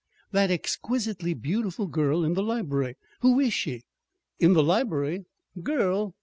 _" "That exquisitely beautiful girl in the library. Who is she?" "In the library? Girl?